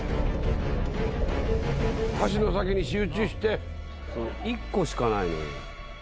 箸の先に集中して１個しかないのよ